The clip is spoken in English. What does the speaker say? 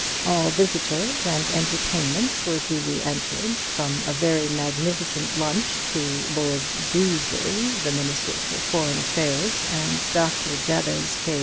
All visitors and entertainments were duly entered, from a very magnificent lunch to Lord Dewsbury, the Minister for Foreign Affairs, and Dr. Jabez K.